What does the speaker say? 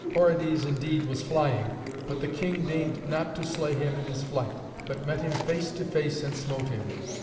Orodes, indeed, was flying, but the king deigned not to slay him in his flight, but met him face to face and smote him.